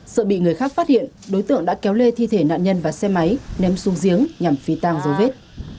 sợ bị người khác phát hiện đối tượng đã kéo lê thi thể nạn nhân và xe máy ném xuống giếng nhằm phi tang dấu vết